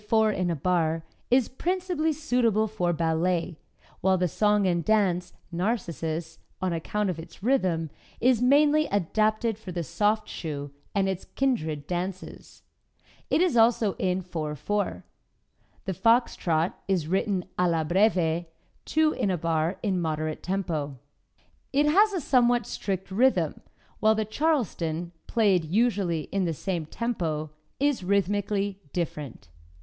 ] [Music: Minuet by Mozart] The Gavotte, played 4 in a bar, is principally suitable for Ballet, while the Song and Dance ("Narcissus"), on account of its rhythm, is mainly adapted for the soft shoe and its kindred dances. It is also in 4 4. The Fox Trot is written "Alla Breve," 2 in a bar in moderate tempo. It has a somewhat strict rhythm, while the "Charleston," played usually in the same tempo, is rhythmically different.